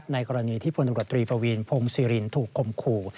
ในกรณีที่พลตำรวจตรีปวีนพงศิรินถูกคมขู่